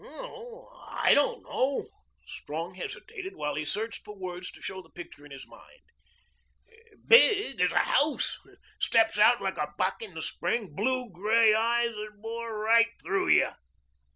"Oh, I don't know." Strong hesitated, while he searched for words to show the picture in his mind. "Big as a house steps out like a buck in the spring blue gray eyes that bore right through you."